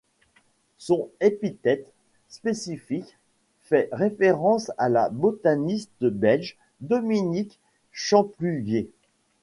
Son épithète spécifique fait référence à la botaniste belge Dominique Champluvier.